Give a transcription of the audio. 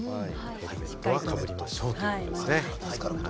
しっかりかぶりましょうということですね。